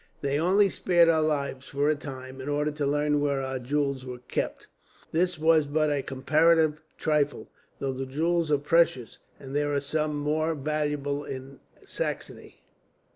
They only spared our lives, for a time, in order to learn where our jewels were kept. This was but a comparative trifle, though the jewels are precious, and there are none more valuable in Saxony.